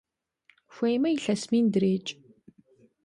Хуеймэ илъэс мин дрекӀ!